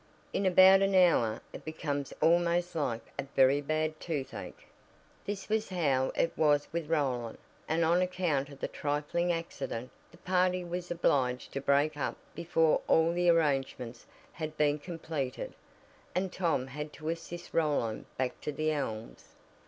In about an hour it becomes almost like a very bad toothache. This was how it was with Roland, and on account of the trifling accident the party was obliged to break up before all the arrangements had been completed, and Tom had to assist Roland back to The Elms.